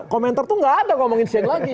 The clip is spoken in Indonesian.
komentar itu gak ada ngomongin shane lagi